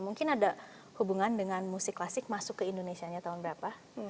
mungkin ada hubungan dengan musik klasik masuk ke indonesia nya tahun berapa